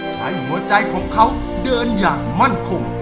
หัวใจของเขาเดินอย่างมั่นคง